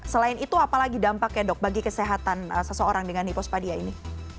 selain itu apalagi dampaknya dok bagi kesehatan seseorang dengan hipospadia ini